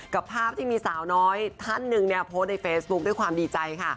กับภาพที่มีสาวน้อยท่านหนึ่งเนี่ยโพสต์ในเฟซบุ๊คด้วยความดีใจค่ะ